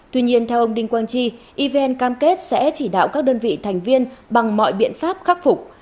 tuy nhiên theo ông đinh quang chi evn cam kết sẽ chỉ đạo các đơn vị thành viên bằng mọi biện pháp khắc phục